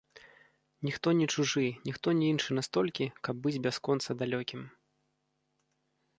Ніхто не чужы, ніхто не іншы настолькі, каб быць бясконца далёкім.